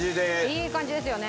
いい感じですよね。